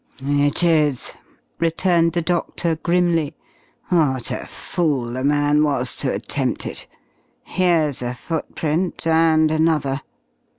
"It is," returned the doctor grimly. "What a fool the man was to attempt it!... Here's a footprint, and another."